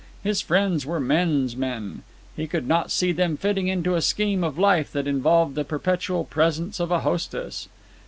His friends were men's men; he could not see them fitting into a scheme of life that involved the perpetual presence of a hostess.